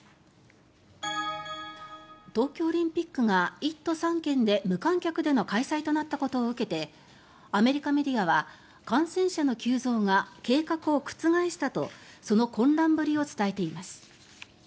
東京オリンピックが１都３県で無観客での開催となったことを受けて、アメリカメディアは感染者の急増が計画を覆したとその混乱ぶりを伝えています。